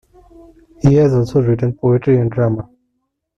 He has also written poetry and drama.